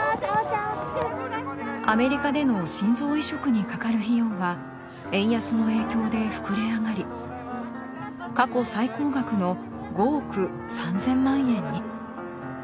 アメリカでの心臓移植にかかる費用は円安の影響で膨れ上がり過去最高額の５億３０００万円に。